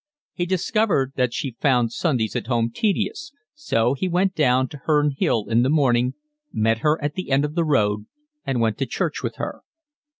He discovered that she found Sundays at home tedious, so he went down to Herne Hill in the morning, met her at the end of the road, and went to church with her.